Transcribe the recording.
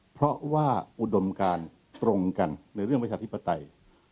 เพราะว่าอุดมการตรงกันในเรื่องประชาธิปไตย